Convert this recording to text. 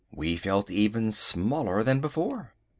We felt even smaller than before.